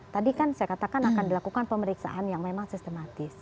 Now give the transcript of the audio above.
tadi kan saya katakan akan dilakukan pemeriksaan yang memang sistematis